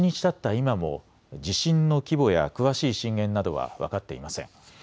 今も地震の規模や詳しい震源などは分かっていません。